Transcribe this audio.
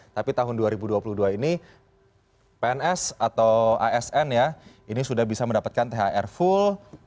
tapi tahun dua ribu dua puluh dua ini pns atau asn ya ini sudah bisa mendapatkan thr full